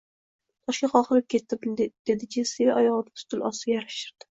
Toshga qoqilib ketdim, dedi Jessi va oyog`ini stul ostiga yashirdi